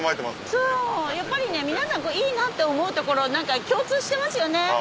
そうやっぱりね皆さんいいなって思う所は何か共通してますよね。